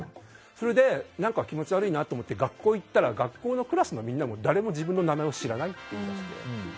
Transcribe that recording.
それで、気持ち悪いなと思って学校に行ったら学校のクラスのみんなも誰も自分の名前を知らないと言われて。